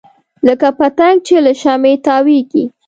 لکه پتنګ چې له شمعې تاویږي.